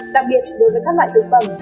đặc biệt đối với các loại thực phẩm